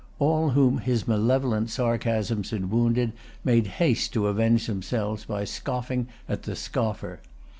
All whom his malevolent sarcasms had wounded made haste to avenge themselves by scoffing at the scoffer.